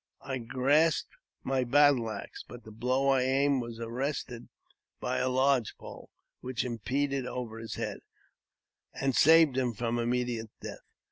I grasped my battle axe, but the blow I aimed was arrested by a lodge pole, which impended over his head, and saved him from immediate death.